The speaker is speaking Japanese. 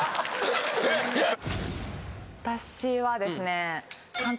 私はですね。